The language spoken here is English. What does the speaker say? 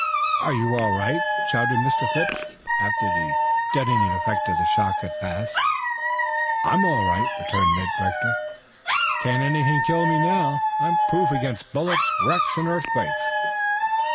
"Are you all right?" shouted Mr. Phipps after the deadening effect of the shock had passed. "I'm all right," returned Ned Rector. "Can't anything kill me now. I'm proof against bullets, wrecks and earthquakes."